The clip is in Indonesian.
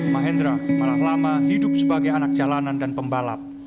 mahendra malah lama hidup sebagai anak jalanan dan pembalap